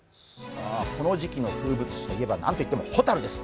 この時期の風物詩といえば何と言っても蛍です。